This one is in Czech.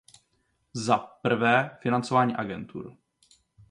Za prvé, financování agentur.